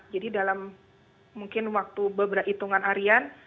jadi dalam mungkin waktu beberapa hitungan arian